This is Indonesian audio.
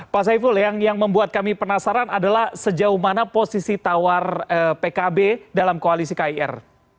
pak saiful yang membuat kami penasaran adalah sejauh mana posisi tawar pkb dalam koalisi kir